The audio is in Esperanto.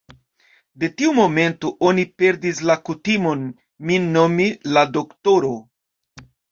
De tiu momento, oni perdis la kutimon, min nomi _la doktoro_.